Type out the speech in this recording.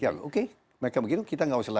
ya juga aku bukan baru juga